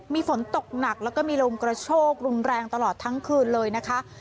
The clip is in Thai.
มีฝนตกหนักแล้วก็มีลมกระโชกรุนแรงตลอดทั้งคืนเลยนะคะ